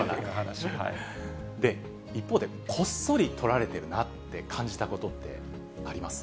で、一方でこっそり撮られてるなって感じたことってあります？